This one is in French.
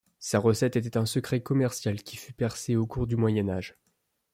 Sa recette était un secret commercial qui fut percé au cours du Moyen Âge.